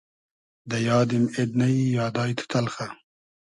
دۂ یادیم اېد نئیی یادای تو تئلخۂ